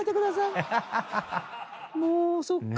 もうそっか。